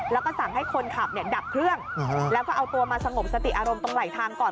แล้วก็สั่งให้คนขับเนี่ยดับเครื่องแล้วก็เอาตัวมาสงบสติอารมณ์ตรงไหลทางก่อน